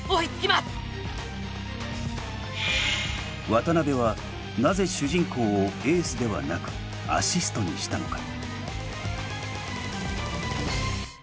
渡辺はなぜ主人公をエースではなくアシストにしたのか？